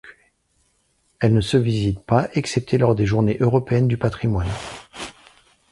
Elle ne se visite pas excepté lors des journées européennes du patrimoine.